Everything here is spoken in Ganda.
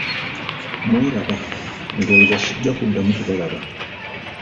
Mweraba, ndowooza sijja kuddamu kubalaba!